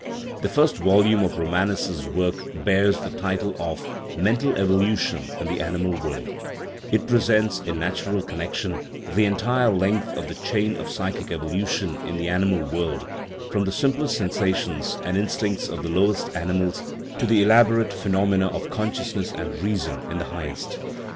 The first volume of Romanes's work bears the title of Mental Evolution in the Animal World ; it presents, in natural connection, the entire length of the chain of psychic evolution in the animal world, from the simplest sensations and instincts of the lowest animals to the elaborate phenomena of consciousness and reason in the highest.